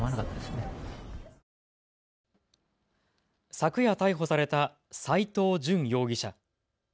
昨夜、逮捕された斎藤淳容疑者。